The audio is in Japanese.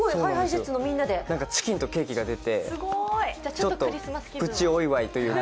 チキンとケーキが出て、ちょっとプチお祝いというか。